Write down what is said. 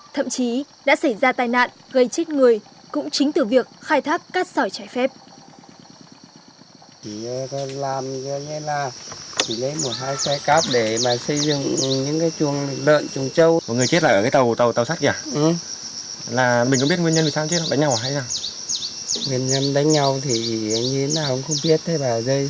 thậm chí đã xảy ra tai nạn gây chết người cũng chính từ việc khai thác cát sỏi trái phép